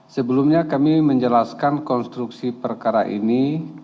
sebelumnya kami menjelaskan konstruksi perkara ini